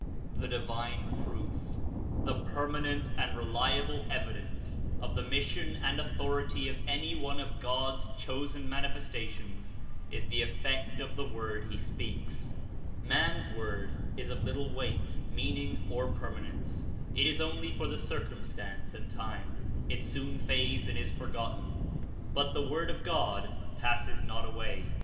The divine proof, the permanent and reliable evi dence of the mission and authority of any one of God's Chosen Manifestations is the effect of the Word he speaks. Man's word Is of little weight, meaning or permanence; It Is only for the circum stance and time; It soon fades and is forgotten, but the Word of God passes not away.